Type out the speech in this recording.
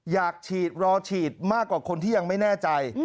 อยากฉีดรอฉีดมากกว่าคนที่ยังไม่แน่ใจ